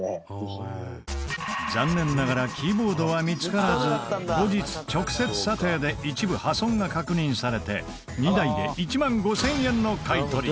残念ながらキーボードは見つからず後日直接査定で一部破損が確認されて２台で１万５０００円の買い取り。